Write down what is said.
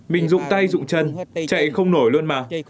mình dụng tay dụng chân chạy không nổi luôn mà